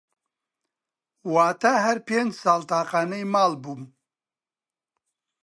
واتا هەر پێنج ساڵ تاقانەی ماڵ بووم